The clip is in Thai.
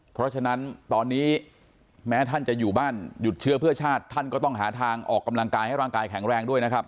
เพราะฉะนั้นตอนนี้แม้ท่านจะอยู่บ้านหยุดเชื้อเพื่อชาติท่านก็ต้องหาทางออกกำลังกายให้ร่างกายแข็งแรงด้วยนะครับ